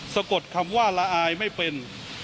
สะกดคำว่าละอายไม่เป็น